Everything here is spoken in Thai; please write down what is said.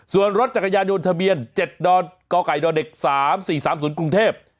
ส่วนรถจักรยานยนต์ทะเบียน๗ดกดเด็ก๓๔๓๐กรุงเทพ